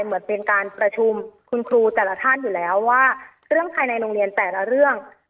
เหมือนเป็นการประชุมคุณครูแต่ละท่านอยู่แล้วว่าเรื่องภายในโรงเรียนแต่ละเรื่อง